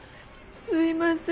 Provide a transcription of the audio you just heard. すいません